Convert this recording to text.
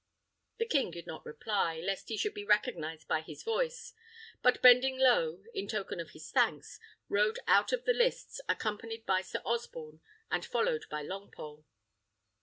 The king did not reply, lest he should be recognised by his voice; but bending low, in token of his thanks, rode out of the lists, accompanied by Sir Osborne and followed by Longpole.